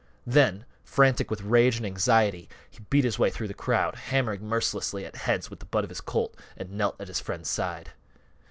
Then, frantic with rage and anxiety, he beat his way through the crowd, hammering mercilessly at heads with the butt of his Colt, and knelt at his friend's side.